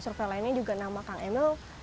survei lainnya juga nama kang emil